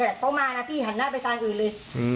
แต่เขามานะพี่หันหน้าไปทางอื่นเลย